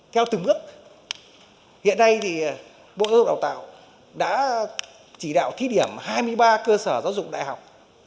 theo từng bước hiện nay bộ giáo dục đào tạo đã chỉ đạo thí điểm hai mươi ba cơ sở giáo dục đại học